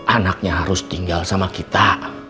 anaknya harus tinggal sama kita